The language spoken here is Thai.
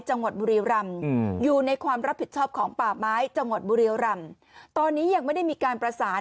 จังหวัดบุรีรำอยู่ในความรับผิดชอบของป่าไม้จังหวัดบุรียรำตอนนี้ยังไม่ได้มีการประสาน